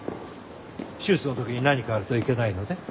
手術の時に何かあるといけないので。